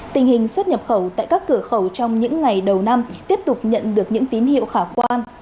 tình hình xuất nhập khẩu tại các cửa khẩu trong những ngày đầu năm tiếp tục nhận được những tín hiệu khả quan